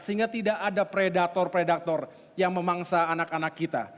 sehingga tidak ada predator predator yang memangsa anak anak kita